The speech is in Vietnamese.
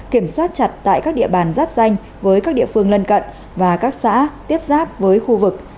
kiểm soát chặt tại các địa bàn giáp danh với các địa phương lân cận và các xã tiếp giáp với khu vực